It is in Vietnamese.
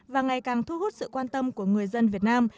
và ngày càng thu hút sự quan tâm của người dân việt nam